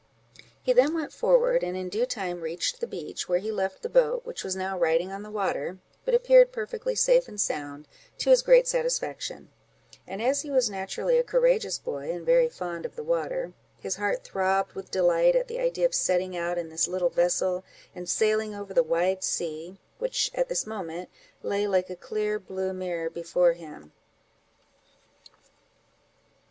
He then went forward, and in due time reached the beach, where he left the boat, which was now riding on the water, but appeared perfectly safe and sound, to his great satisfaction; and as he was naturally a courageous boy, and very fond of the water, his heart throbbed with delight at the idea of setting out in this little vessel, and sailing over the wide sea, which, at this moment, lay like a clear blue mirror before him.